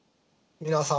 皆さん